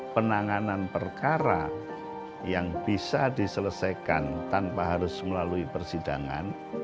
penanganan perkara yang bisa diselesaikan tanpa harus melalui persidangan